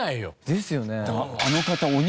ですよね。